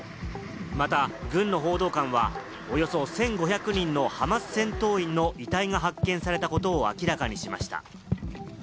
また軍の報道官はおよそ１５００人のハマス戦闘員の遺体が発見されたことを明らかにしました。